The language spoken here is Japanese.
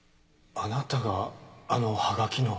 あなたがあのハガキの。